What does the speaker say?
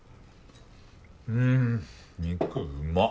うん肉うまっ。